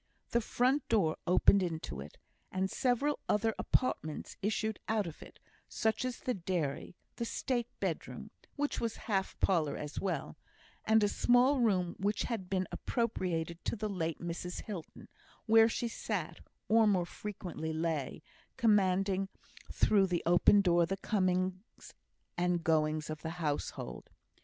The front door opened into it, and several other apartments issued out of it, such as the dairy, the state bedroom (which was half parlour as well), and a small room which had been appropriated to the late Mrs Hilton, where she sat, or more frequently lay, commanding through the open door the comings and goings of her household.